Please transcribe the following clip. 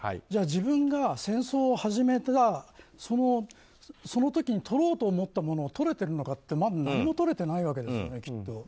じゃあ自分が戦争を始めたその時にとろうと思ったものをとれてるのかっていうとまだ何もとれてないわけです。